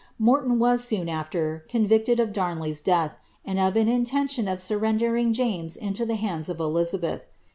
Morton was, soon afVer, convicted of Darnley's death, and of an intention of surrendering James into tlie hands of Elizabeth.